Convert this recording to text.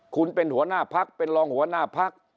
คุณเป็นหัวหน้าพักเป็นรองหัวหน้าพัก